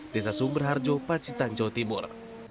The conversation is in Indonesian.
desa sumberharjo pacitan jawa timur